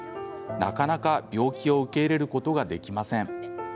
なかなか病気を受け入れることができません。